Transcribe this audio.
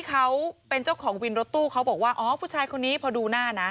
เขาเป็นเจ้าของวินรถตู้เขาบอกว่าอ๋อผู้ชายคนนี้พอดูหน้านะ